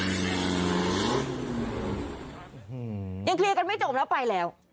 ยังเคลียร์กันไม่จบแล้วไปแล้ว